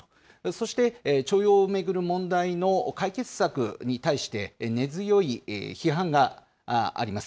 そして、徴用を巡る問題の解決策に対して、根強い批判があります。